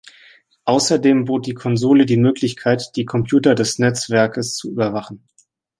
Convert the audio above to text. Außerdem bot die Konsole die Möglichkeit, die Computer des Netzwerkes zu überwachen.